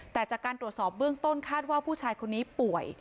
แต่จากการตรวจสอบเบื้องต้นคาดว่าผู้ชายคนนี้ป่วย